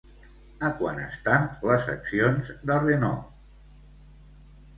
A quant estan les accions de Renault?